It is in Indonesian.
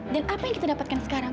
dan apa yang kita dapatkan sekarang